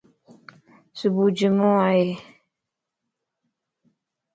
صبح جمع ائي